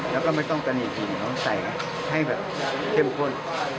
แล้วก็ไม่ต้องกระหนี่หุ่งเขาใส่ให้แบบเผ็มข้น